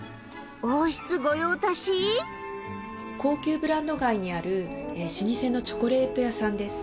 高級ブランド街にある老舗のチョコレート屋さんです。